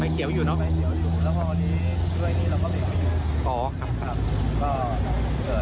ไม่เกี่ยวอยู่แล้วพอดี